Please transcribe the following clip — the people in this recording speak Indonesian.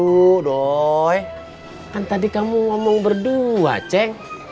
tuh dong kan tadi kamu ngomong berdua ceng